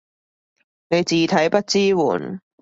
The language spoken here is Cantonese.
你字體不支援